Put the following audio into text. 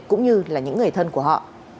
cũng như là những người thân của họ